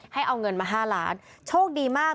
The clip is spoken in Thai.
ให้เอาเงินมา๕ล้านโชคดีมาก